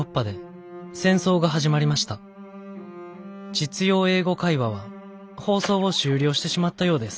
『実用英語会話』は放送を終了してしまったようです。